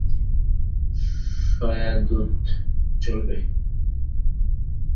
সয়াদুধ, চলবে?